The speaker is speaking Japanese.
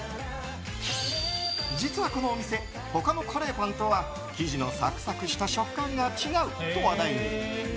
実は、このお店他のカレーパンとは生地のサクサクした食感が違うと話題に。